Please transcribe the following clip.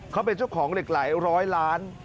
เขาเป็นเจ้าของเหล็กไหลร้อยล้าน